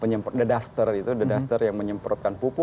penyemprot the duster itu the duster yang menyemprotkan pupuk